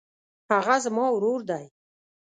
هغه زما ورور دی.